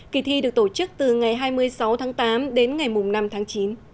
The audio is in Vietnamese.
kỳ thi được tổ chức từ ngày hai mươi sáu tháng tám đến ngày năm tháng chín